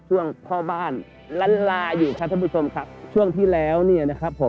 ช่วงพ่อบ้านล้านลาอยู่ครับท่านผู้ชมครับช่วงที่แล้วเนี่ยนะครับผม